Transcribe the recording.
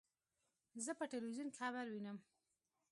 زه په ټلویزیون کې خبر وینم.